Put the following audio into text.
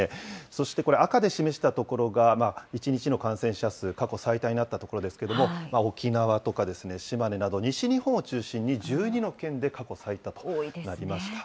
そしてこれ、赤で示した所が、１日の感染者数、過去最多になった所ですけれども、沖縄とかですね、島根など、西日本を中心に、１２の県で過去最多となりました。